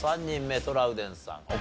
３人目トラウデンさん